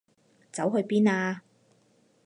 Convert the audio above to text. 走去邊啊？